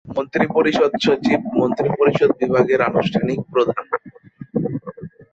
মন্ত্রিপরিষদ সচিব মন্ত্রিপরিষদ বিভাগের আনুষ্ঠানিক প্রধান।